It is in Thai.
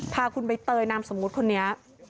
พาคุณใบเตยนามสมมุติคนนี้